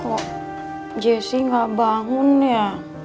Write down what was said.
kok jessi gak bangun ya